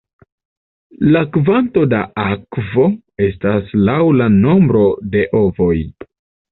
La kvanto da akvo estas laŭ la nombro de ovoj.